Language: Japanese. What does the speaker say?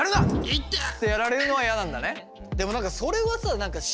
いてっ！ってやられるのはやなんだね。